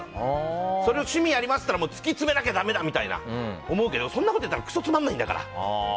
それを趣味ありますって言ったら突き詰めなきゃだめだって思うけどそんなこと言ったらクソつまんないんだから。